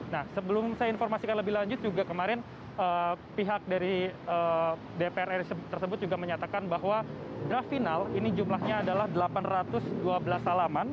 nah sebelum saya informasikan lebih lanjut juga kemarin pihak dari dpr ri tersebut juga menyatakan bahwa draft final ini jumlahnya adalah delapan ratus dua belas salaman